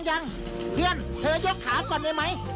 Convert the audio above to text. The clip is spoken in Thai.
ยังเพื่อนเธอยกขาก่อนได้ไหม